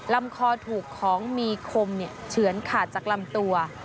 ลำคอถูกของมีคมเฉือนขาดจากลำตัว